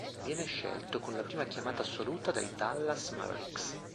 Viene scelto con la prima chiamata assoluta dai Dallas Mavericks.